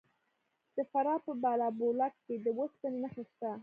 د فراه په بالابلوک کې د وسپنې نښې شته.